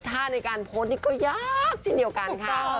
ในการโพสต์นี้ก็ยากเช่นเดียวกันค่ะ